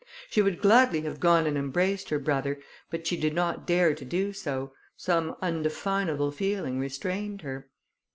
She would gladly have gone and embraced her brother, but she did not dare to do so; some undefinable feeling restrained her.